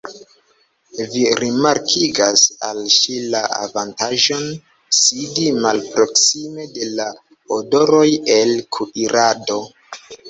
Vi rimarkigas al ŝi la avantaĝon sidi malproksime de la odoroj el kuirado.